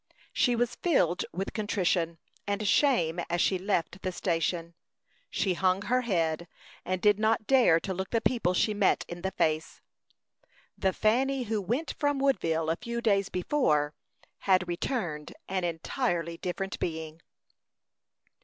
She was filled with contrition and shame as she left the station; she hung her head, and did not dare to look the people she met in the face. The Fanny who went from Woodville a few days before had returned an entirely different being.